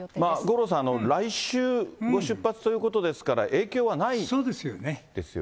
五郎さん、来週ご出発ということですから、影響はないですよ